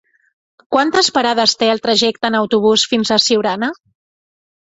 Quantes parades té el trajecte en autobús fins a Siurana?